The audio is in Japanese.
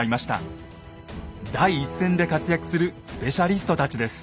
第一線で活躍するスペシャリストたちです。